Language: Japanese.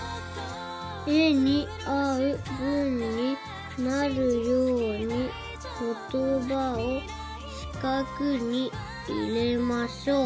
「えにあうぶんになるようにことばをしかくにいれましょう」